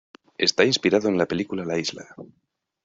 Está inspirado en la película La isla.